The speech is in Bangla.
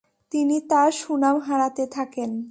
তিনি তার সুনাম হারাতে থাকেন।